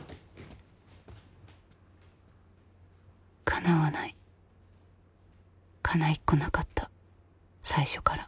かなわないかないっこなかった最初から。